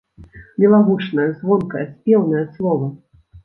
Мілагучнае, звонкае, спеўнае слова!